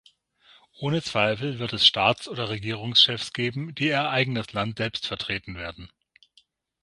Ohne Zweifel wird es Staatsoder Regierungschefs geben, die ihr eigenes Land selbst vertreten werden.